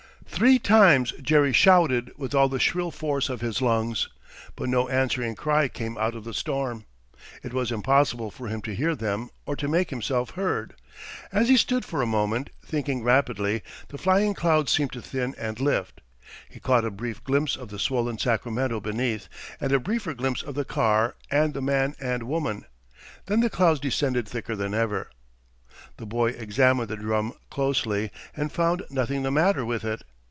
Three times Jerry shouted with all the shrill force of his lungs, but no answering cry came out of the storm. It was impossible for him to hear them or to make himself heard. As he stood for a moment, thinking rapidly, the flying clouds seemed to thin and lift. He caught a brief glimpse of the swollen Sacramento beneath, and a briefer glimpse of the car and the man and woman. Then the clouds descended thicker than ever. The boy examined the drum closely, and found nothing the matter with it.